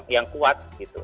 yang kuat gitu